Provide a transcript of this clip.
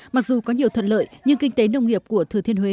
mặc dù có nhiều thuận lợi nhưng kinh tế nông nghiệp của thừa thiên huế